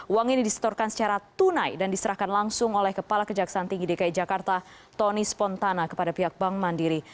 uang ini disetorkan secara tunai dan diserahkan langsung oleh kepala kejaksaan tinggi dki jakarta tony spontana kepada pihak bank mandiri